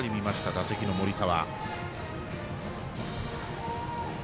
打席の森澤。